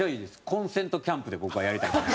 コンセントキャンプで僕はやりたいです。